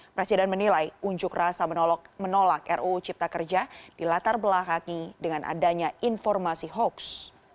presiden menilai unjuk rasa menolak ruu cipta kerja dilatar belakangi dengan adanya informasi hoax